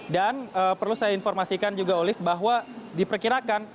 dan perlu saya informasikan juga olive bahwa diperkirakan